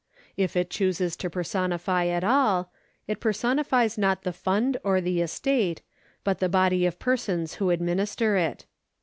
If it chooses to per sonify at all, it personifies not the fund or the estate, but the body of persons who administer it.